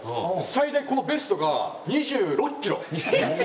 最大このベストが２６キロ。